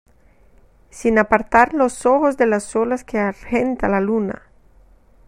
sin apartar los ojos de las olas que argenta la luna: